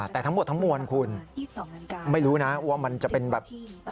แต่ทั้งหมดทั้งมวลคุณไม่รู้นะว่ามันจะเป็นแบบ